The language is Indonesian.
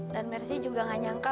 dan merci juga gak nyangka